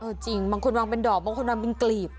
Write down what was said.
จริงบางคนวางเป็นดอกบางคนวางเป็นกลีบ